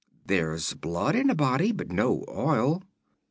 There's blood in a body, but no oil."